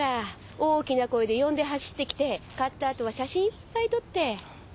大きな声で呼んで走ってきて買ったあとは写真いっぱい撮って。